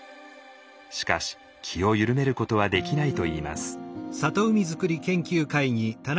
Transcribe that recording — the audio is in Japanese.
しかし気を緩めることはできないといいます。